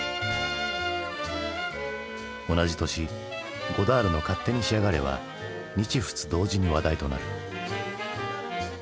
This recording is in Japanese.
同じ年ゴダールの「勝手にしやがれ」は日仏同時に話題となる。